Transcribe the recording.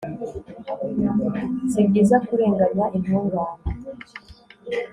sibyiza kurenganya intungane